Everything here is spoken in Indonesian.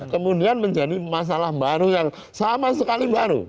kemudian menjadi masalah baru yang sama sekali baru